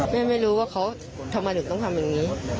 ไม่รู้ว่าเขาทำไมถึงต้องทำอย่างนี้